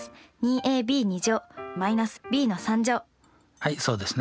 はいそうですね。